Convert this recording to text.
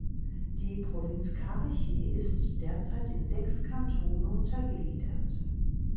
Die Provinz Carchi ist derzeit in sechs Kantone untergliedert.